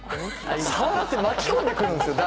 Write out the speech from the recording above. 触らせて巻き込んでくるんですよ。